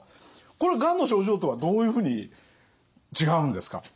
これがんの症状とはどういうふうに違うんですか？